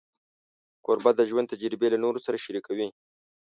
کوربه د ژوند تجربې له نورو سره شریکوي.